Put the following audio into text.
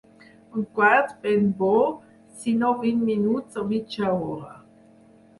Un quart ben bo, sinó vint minuts o mitja hora.